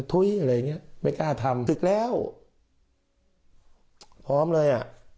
ถุ้ยอะไรอย่างเงี้ยไม่กล้าทำศึกแล้วพร้อมเลยอ่ะ